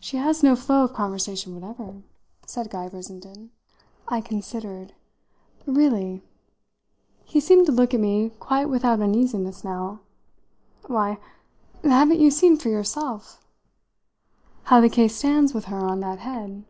"She has no flow of conversation whatever," said Guy Brissenden. I considered. "Really?" He seemed to look at me quite without uneasiness now. "Why, haven't you seen for yourself ?" "How the case stands with her on that head?